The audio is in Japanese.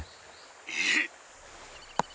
「えっ！？」。